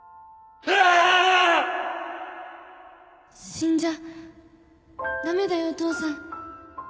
死んじゃ駄目だよお父さん